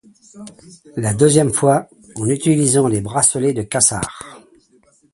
La deuxième fois, en utilisant les bracelets de Quasar.